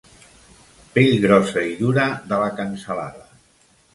Pell grossa i dura de la cansalada.